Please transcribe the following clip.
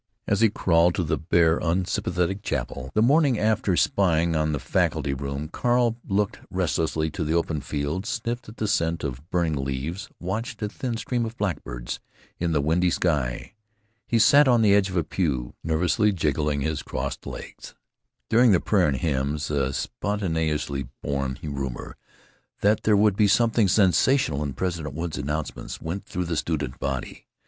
As he crawled to the bare, unsympathetic chapel, the morning after spying on the faculty room, Carl looked restlessly to the open fields, sniffed at the scent of burning leaves, watched a thin stream of blackbirds in the windy sky. He sat on the edge of a pew, nervously jiggling his crossed legs. During the prayer and hymns a spontaneously born rumor that there would be something sensational in President Wood's announcements went through the student body.